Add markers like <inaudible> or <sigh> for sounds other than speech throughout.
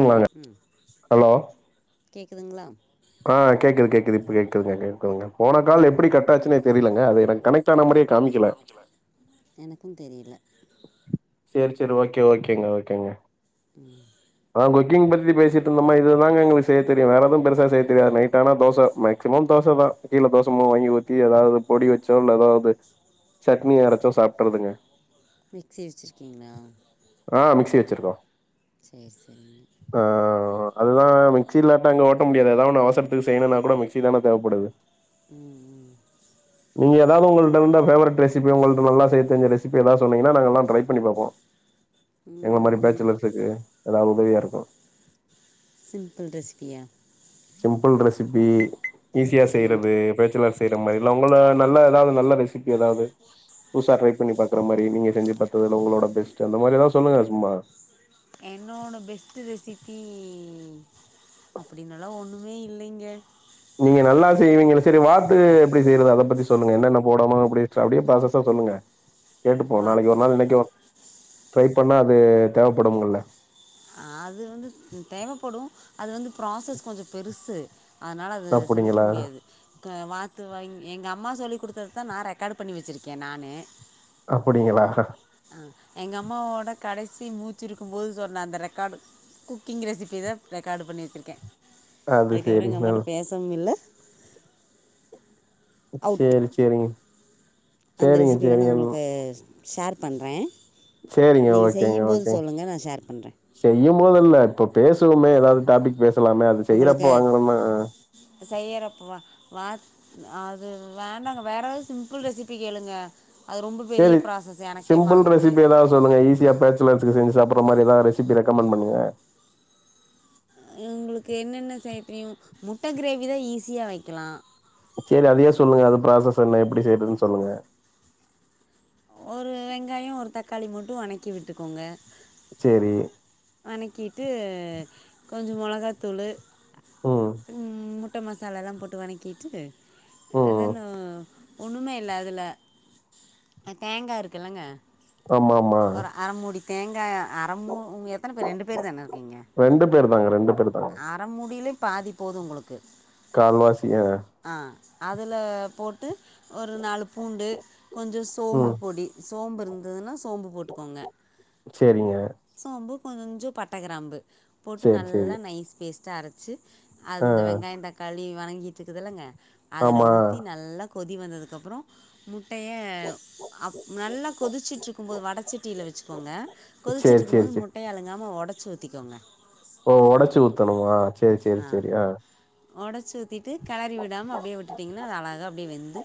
இல்ல ம் ஹலோ கேக்குதுங்ளா ஆ கேக்குது கேக்குது இப்ப கேக்குதுங்கங்க சொலுங்க போன கால் ம் எப்புடி கட்டாச்சுன்னே தெரியலங்க அது எனக்கு கனெட் ஆன மாரியே காமிக்கல எனக்கு தெரியல சேரி சேரி ஓகே ஓகேங்க ஓகேங்க ம் ஆ குக்கிங் பத்தி பேசிட்டு இருந்தோமா இதுதாங்க எங்ளுக் செய்ய தெரியு வேற எதுவு பெருசா செய் தெரியாது நைட்டானா தோச மேக்சிமம் தோச தா கீழ தோச மோவ் வாங்கி ஊத்தி எதாவது பொடி வச்சோ எதாவது சட்னி ஆரச்சோ சாப்ட்றதுங்க மிக்ஸி வச்சுருக்கீங்ளா ஆ மிக்ஸி வச்சுருக்கோ சேர் செரி ஆ அதுதா மிக்சி இல்லாட்ட இங்க ஓட்ட முடியாது ஏதா ஒன்னு அவசர்த்துக்கு செய்னோன்னா கூட மிக்சி தானே தேவப்படுது ம் ம் நீங்க எதாவது உங்கள்ட இருந்த பேவரட் ரெசிப்பி உங்கட்ட நல்லா செய்தெரிஞ்ச ரெசிப் எதாவது சொன்னீங்கன்னா நாங்க எல்லாம் ட்ரை பண்ணி பாப்போ ம் எங்கள மாரி ம் பேச்சலர்ஸ்க்கு எதாவது உதவியா இருக்கு சிம்பிள் ரெசிபியா சிம்பிள் ரெசிபி ஈஸியா ம் செய்யறது பேச்சலர் செய்யற மாரி இல்ல உங்கள நல்ல எதாவது நல்ல ரெசிபி எதாவது புதுசா ட்ரை பண்ணி பாக்குற மாரி நீ செஞ்சுபாத்ததுல உங்களோட பெஸ்ட் அந்த மாரி எதாவது சொல்லுங்க சும்மா என்னோட பெஸ்ட் ரெசிபி அப்டின்னல்லா ஒண்ணு மே இல்லைங்க நீங்க நல்லா செய்வீங்கள சரி வாத்து எப்டி செய்யறது அத பத்தி சொல்லுங்க என்னென்ன போடானும் அப்டி அப்டியே ப்ராசஸா சொல்லுங்க கேட்டுப்போ நாளைக்கு ஒரு வாத்து நாள் இன்னைக்கு ட்ரை பண்ணா அது தேவைப்படுங்கள்ல அது வந்து தேவப்படு அது வந்து ப்ராசஸ் கொஞ்சொ பெருசு அதனால அது சமைக்க அப்டிங்களா முடியாது க வாத்து வாங் எங்க அம்மா சொல்லி் குடுத்தது தா நா ரெக்கார்டு பண்ணி வெச்சுருக்கே நானு அப்படிங்களா ஆ எங்க அம்மாவோட கடைசி மூச்சு இருக்கும் போது சொன்ன அந்த ரெக் காடு குக்கிங் ரெசிபி தா ரெக்கார்டு பண்ணி வெச்சருக்கே அது அதுக்கப்றோ சேரி எங்க அம்மாட்ட பே <unintelligible> சேரி செரிங் அந்த ரெசிபி வேண்ணா உங்ளுக்கு ஷேர் பண்றே சேரிங்க நீங்க ஓகேங்க செய்யும்போது ஓகேங்க சொல்லுங்க நா ஷேர் பண்ற செய்யும் போதுல்ல இப்ப பேசுவமே எதாவது டாபிக் பேசலாமே அது செய்றப்ப வாங்கணமா செய்யறப்பவா வாத் அது வேணாங்க வேற எதாவது சிம்பிள் ரெசிபி கேளுங்க அது ரொம்போ பெரிய சரி ப்ராசஸ் எனக்கே சிம்பிள் மறந்து ரெசிபி போயிரோ ஏதாவது சொல்லுங்க ஈஸியா பேச்சலர்சுங்க செஞ்சி சாப்பற்றா மாதிரி எதாவுதுரெசிபி ரெக்கமெண்ட் பன்னுங்க உங்குளுக்கு என்னென்ன செய்ய தெரியு முட்ட கிரேவி தா ஈஸியா வெக்களா சேரி அதையே சொல்லுங்க அது ப்ராசஸ் என்ன எப்டி செய்யற்துன் சொல்லுங்க ஒரு வெங்காய ஒரு தக்காளி மட்டு வணக்கி விட்டுக்கோங்க செரி வணக்கிட்டு கொஞ்சோ மொளகாத்தூளு ம் முட் ட மசாலாலா போட்டு வனக்கிட்டு ம் அதென ஒன்னுமே இல்ல அதலே அ தேங்கா இருக்கு இல்லங்க ஆமா ஆமா ஒரு அர முடி தேங்கா அர மு எத்தன பேர் ரெண்டு பேர் தான இருக்கீங்க ரெண்டு பேர் தாங்க பேர் தாங்க. அர முடியிலே பாதி போது உங்குளுக்கு கால்வாசியா ஆ அதுல போட்டு ஒரு நாலு பூண்டு கொஞ்சோ சோம்பு ம் பொடி சோம்பு இருந்துன்னா சோம்பு போட்டுக்கோங்க செரிங்க சோம்பு கொஞ்சோ பட்டக்கிராம்பு போட்டு சரி, சரி. நல்லா நைஸ் பேஸ்ட்டா அரச்சு ஆ அந்த வெங்காய தக்காளி வணங்கிட்ருக்குது இல்லங்க அதுல ஆமா. ஊத்தி நல்லா கொதி வந்ததுக்கப்பறோ முட்டய அப் நல்லா கொதிச்சுட்ருக்கும் போது வடச்சட்டில வெச்சுக்கோங்க சரி, கொதிச்சிட்ருக்கும் சரி, போது சரி. முட்டய அலுங்காம ஒடச்சி ஊத்திக்கோங்க ஓ ஒடச்சு ஊத்தனுமா சேர் சேர் சேரி ஆ ஒடச்சி ஊத்திட்டு கெளறி விடாம அப்டியே விட்டுட்டிங்கன்னா அது அழகா அப்டியே வெந்து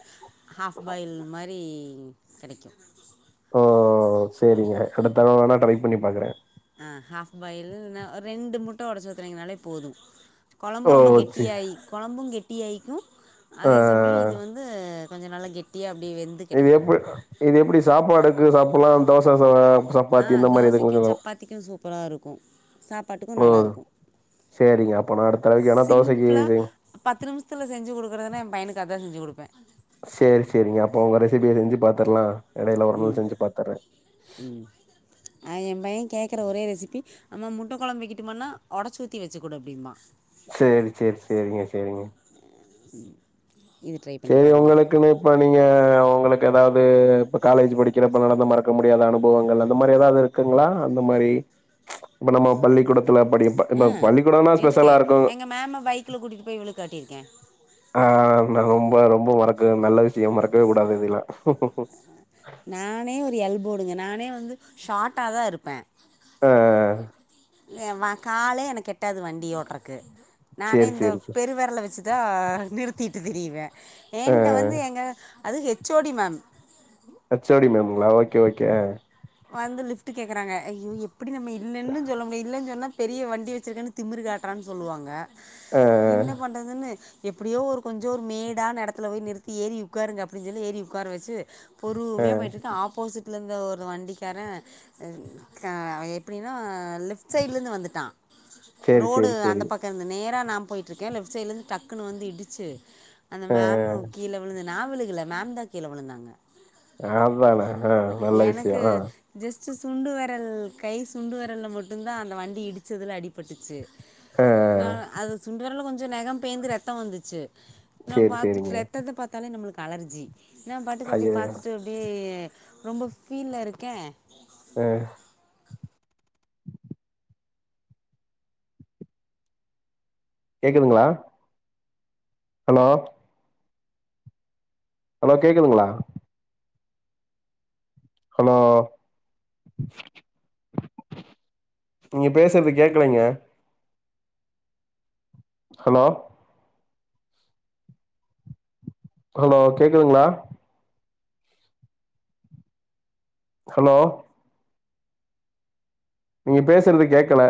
ஹாஃப் பாயில் மாரி கெடைக்கு ஓ செரிங்க அடுத்தடவ வோணா ட்ரை பண்ணி பாக்குறே ஆ ஹாஃப் பாயிலு ந ரெண்டு முட்ட ஒடச்சு ஊத்துனீங்கனாலே போது கொழம்பு ஓ ரொம்ப சி கெட்டியாயி கொழம்பு கெட்டியாய்க்கு ஆ அதே சமய் இ து வந்து கொஞ்சோ நல்லா கெட்டியா அப்டி வெந் இது எப்போ இது எப்படி சாப்பாடுக்கு சாப்புல்லா தோச சா அ ஆ தோசைக்கு சப்பாத்திக்கு சூப்பரா இருக்கோ சாப்பாட்டுக்கு நல்லாருக்கு செரிங்க அப்ப நா அடுத் தடவைக்கு வேணா தோசைக்கு சிம்பிளாக சே பத்து நிமிஷ்த்துல செஞ்சு குடுகுறுதுனா எ பையனுக்கு அதா செஞ்சு குடுப்பே சேரி சேரிங்க அப்ப உங்க ரெசிபிய செஞ்சு பாத்துர்லா எடையில ஒரு நாள் ம் செஞ்சு பாத்துற்றே ம் அ எ பைய கேக்கற ஒரே ரெசிபி அம்மா முட்ட கொழம்பு வெக்கிட்டுமானா ஒடச்சூத்தி வெச்சுக்குடு அப்டின்பா சேரி சேர் செரிங்க செரிங்க <unintelligible> உம் சேரி உங்களுக்கு நே இப்ப நீங்க உங்களுக்கு எதாவ்து இப்ப காலேஜி படிக்கிறப்ப நடந்த மறக்க முடியாத அனுபவங்கள் அந்த மாரி எதாவ்து இருக் குங்ளா அந்த மாரி இப்ப நம்ம பள்ளிக்கூடத் துலா படிக்கப்ப இந்த பள்ளிக்கூடன்னா ஸ்பெஷலா இருக்கோ க மேம பை க்கில கூட்டிட்டு போய் விழுகாட்டிருக்கே ஆ நல் ரொம்போ ரொம்போ மறக்க நல்ல விஷ்யோ மறக்கிவே கூடாது இதெல்லா நானே ஒரு எல்போடுங்க நானே வந்து ஷாட்டாதா இருப்பே ஆ இல்ல வா காலே எனக்கு எட்டாது வண்டி ஓட்றக்கு நானே சேரி இந்த சேரி சே பெருவெரல வெச்சு தா நிறுத்திட்டு திரியுவே ஆ ஏன்ட்ட வந்து எங்க அது H O D ma'am H O D மேமுங்ளா ஓகே ஓகே ஆ வந்து லிஃப்ட்டு கேக்குறாங்க ஐயோ எப்படி நம்ம இல்லன்னு சொல்ல முடியு இல்லன் சொன்னா பெரிய வண்டி வெச்சுருக்கேனு திமிரு காட்றான் சொல்லுவாங்க ஆ என்ன பண்றதுன்னு எப்படியோ ஒரு கொஞ்சோ ஒரு மேடான எடத்துல போய் நிறுத்தி ஏறி உக்காருங்க அப்டின் சொல்லி ஏறி உக்கார வெச்சு ஆ பொறுமியா போயிட்ருக்க ஆப்போசிட்லிந்த ஒரு வண்டி காரே க அவ எப்டின்னா லெஃப்ட் சைட்லிந்து வந்துட்டா சேரி ரோடு சேரி அந்த சேரி பக்கோ இருந்து நேரா நா போயிட்ருக்கே லெஃப்ட் சைட்லெந்து டக்குன்னு வந்து இடிச்சு அந்த ஆ மேமு கீழ விழுந்து நா விழுகள மேம்தா கீழ விழுந்தாங்க அதான ஆ நல்ல விசியோ எனக்கு ஆ ஜஸ்ட்டு சுண்டு வெரல் கை சுண்டு வெரல்ல மட்டுந்தா அந்த வண்டி இடிச்சதுல அடிபட்டுச்சு ஆ இந்தாலு அது சுண்டு வெரல்ல கொஞ்சோ நக பேந்து ரத்தோ வந்துச்சு நா சேரி பாத்துட் சேரிங்க ரெத்தத்த பாத்தாலே நம்மளுக்கு அலர்ஜி நா பாட்டுக்கு அப்டி ஐயய்யோ பாத்துட்டு அப்பே ரொம்ப ஃபீல்ல இருக்கே அ கேக்குதுங்ளா ஹலோ ஹலோ கேக்குதுங்ளா ஹலோ நீங் பேசுறது கேக்கலைங்க ஹலோ ஹலோ கேக்குதுங்ளா ஹலோ நீங் பேசுறது கேக்கல